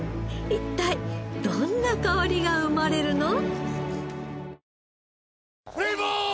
一体どんな香りが生まれるの？